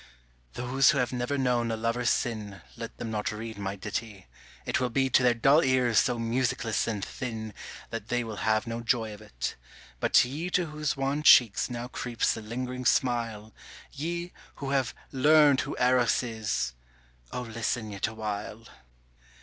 Those who have never known a lover's sin Let them not read my ditty, it will be To their dull ears so musicless and thin That they will have no joy of it, but ye To whose wan cheeks now creeps the lingering smile, Ye who have learned who Eros is,—O listen yet awhile.